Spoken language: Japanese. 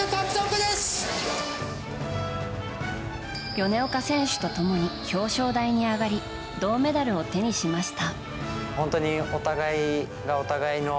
米岡選手とともに表彰台に上がり銅メダルを手にしました。